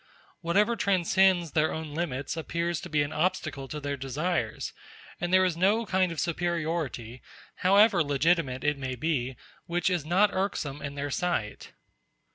Whatever transcends their own limits appears to be an obstacle to their desires, and there is no kind of superiority, however legitimate it may be, which is not irksome in their sight.